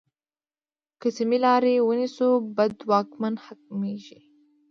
که سمې لارې ونیسو، بد واکمن نه حاکمېږي.